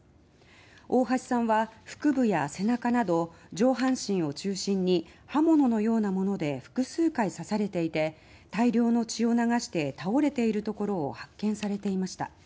大橋さんは腹部や背中など上半身を中心に刃物のようなもので複数回刺されていて大量の血を流して倒れているところを発見されていました。